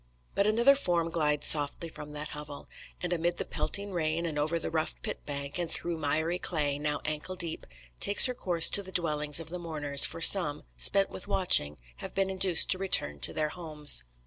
But another form glides softly from that hovel; and amid the pelting rain, and over the rough pit bank, and through miry clay now ankle deep takes her course to the dwellings of the mourners, for some, spent with watching, have been induced to return to their homes.